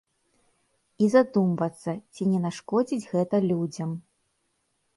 І задумвацца, ці не нашкодзіць гэта людзям.